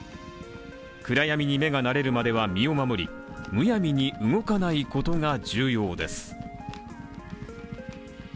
暗闇に目が慣れるまでは身を守り、むやみに動かないことが重要です。